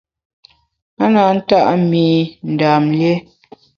A na nta’ mi Ndam lié.